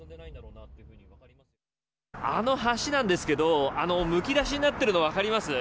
あの橋なんですけどあの、むき出しになっているの分かります。